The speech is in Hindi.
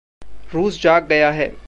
रूस जाग गया है।